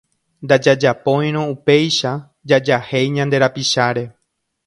Ndajajapóirõ upéicha jajahéi ñande rapicháre.